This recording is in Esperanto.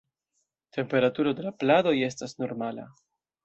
Temperaturo de la pladoj estas normala.